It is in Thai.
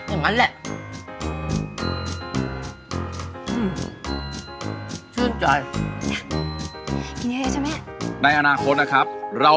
อื้อฮืออย่างนั้นแหละ